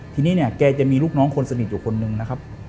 ทีนี้เนี่ยแกจะมีลูกน้องคนสนิทอยู่คนนึงนะครับ